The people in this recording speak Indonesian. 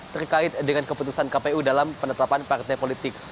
terkait dengan keputusan kpu dalam penetapan partai politik